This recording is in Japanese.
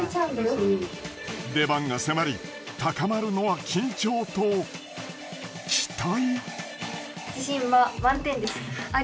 出番が迫り高まるのは緊張と期待？